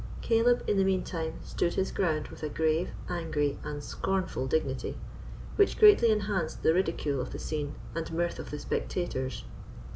Caleb, in the mean time, stood his ground with a grave, angry, and scornful dignity, which greatly enhanced the ridicule of the scene and mirth of the spectators.